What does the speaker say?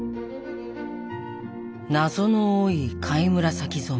謎の多い貝紫染め。